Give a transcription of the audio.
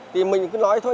thì mình cứ nói thôi